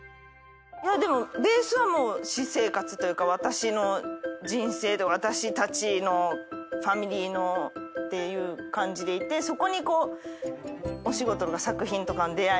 でもベースはもう私生活というか私の人生で私たちのファミリーのっていう感じでいてそこにお仕事とか作品とかの出会いがあって。